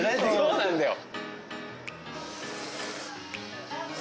そうなんだよ。